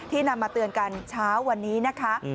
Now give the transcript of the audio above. นำมาเตือนกันเช้าวันนี้นะคะ